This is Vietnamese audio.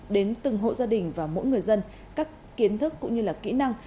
đến từng hộ gia đình và mỗi người dân các kiến thức cũng như là kỹ năng